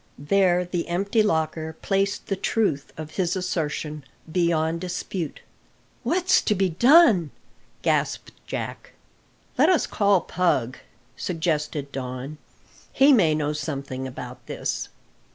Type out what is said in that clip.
There the empty locker placed the truth of his assertion beyond dispute. "What's to be done?" gasped Jack. "Let us call Pug," suggested Don. "He may know something about this."